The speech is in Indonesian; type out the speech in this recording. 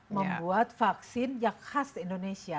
membuat vaksin yang khas indonesia